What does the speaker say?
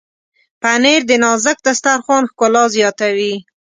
پنېر د نازک دسترخوان ښکلا زیاتوي.